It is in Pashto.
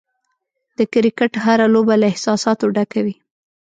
د کرکټ هره لوبه له احساساتو ډکه وي.